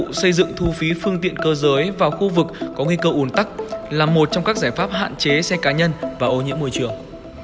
bộ xây dựng thu phí phương tiện cơ giới vào khu vực có nguy cơ ủn tắc là một trong các giải pháp hạn chế xe cá nhân và ô nhiễm môi trường